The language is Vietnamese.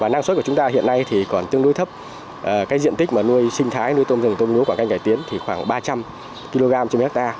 năng suất của chúng ta hiện nay thì còn tương đối thấp cái diện tích mà nuôi sinh thái nuôi tôm rừng tôm lúa của canh cải tiến thì khoảng ba trăm linh kg trên một ha